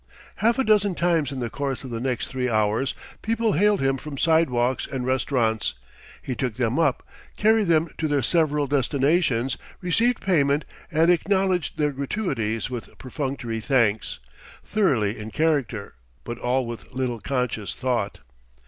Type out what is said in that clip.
Half a dozen times in the course of the next three hours people hailed him from sidewalks and restaurants; he took them up, carried them to their several destinations, received payment, and acknowledged their gratuities with perfunctory thanks thoroughly in character but all with little conscious thought.